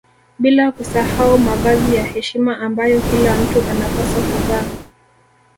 Bila kusahau mavazi ya heshima ambayo kila mtu anapaswa kuvaa